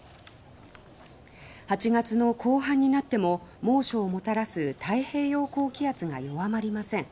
８月の後半になっても猛暑をもたらす太平洋高気圧が弱まりません。